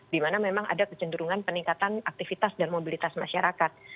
dimana memang ada kecenderungan peningkatan aktivitas dan mobilitas masyarakat